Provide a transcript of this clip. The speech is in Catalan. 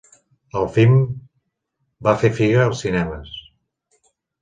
El film va fer figa als cinemes.